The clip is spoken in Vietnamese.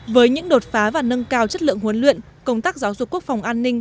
với những đột phá và nâng cao chất lượng huấn luyện công tác giáo dục quốc phòng an ninh